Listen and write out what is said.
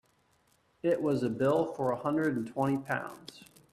It was a bill for a hundred and twenty pounds.